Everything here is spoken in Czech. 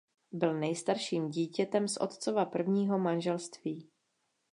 Byl nejstarším dítětem z otcova prvního manželství.